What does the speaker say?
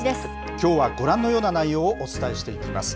きょうはご覧のような内容をお伝えしていきます。